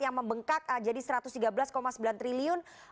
yang membengkak jadi rp satu ratus tiga belas sembilan triliun